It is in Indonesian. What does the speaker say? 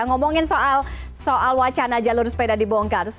ngomongin soal wacana jalur sepeda di bongkar